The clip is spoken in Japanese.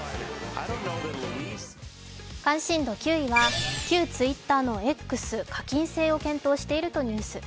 関心度９位は旧ＴｗｉｔｔｅｒのＸ、課金制を検討しているというニュース。